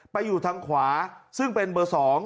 ไปอยู่ทางขวาซึ่งเป็นเบอร์๒